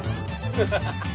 ハハハハッ！